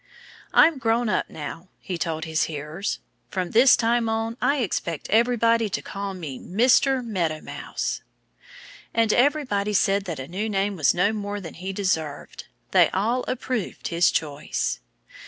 "I'm grown up now," he told his hearers. "From this time on I expect everybody to call me Mister Meadow Mouse." And everybody said that a new name was no more than he deserved. They all approved his choice.